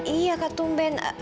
iya kak tumben